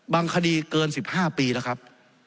คดีเกิน๑๕ปีแล้วครับ